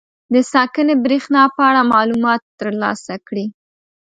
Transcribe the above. د ساکنې برېښنا په اړه معلومات تر لاسه کړي دي.